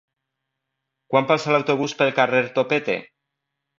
Quan passa l'autobús pel carrer Topete?